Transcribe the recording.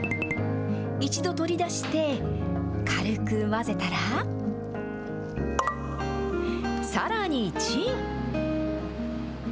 一度取り出して、軽く混ぜたら、さらにチン。